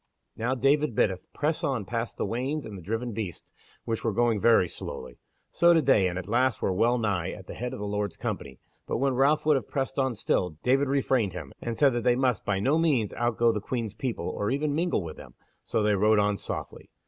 Now David biddeth press on past the wains and the driven beasts, which were going very slowly. So did they, and at last were well nigh at the head of the Lord's company, but when Ralph would have pressed on still, David refrained him, and said that they must by no means outgo the Queen's people, or even mingle with them; so they rode on softly.